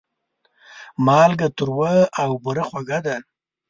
مالګه تروه او بوره خوږه ده.